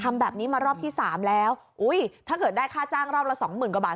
ทำแบบนี้มารอบที่สามแล้วอุ้ยถ้าเกิดได้ค่าจ้างรอบละสองหมื่นกว่าบาท